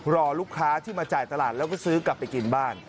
รอลูกค้าที่มาจ่ายตลาดแล้วก็ซื้อกลับไปกินบ้าน